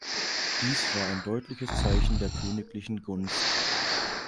Dies war ein deutliches Zeichen der königlichen Gunst.